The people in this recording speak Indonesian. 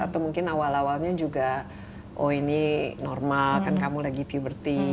atau mungkin awal awalnya juga oh ini normal kan kamu lagi puberty